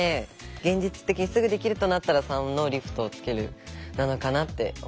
現実的にすぐできるとなったら３の「リフトをつける」なのかなって思いました。